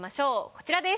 こちらです。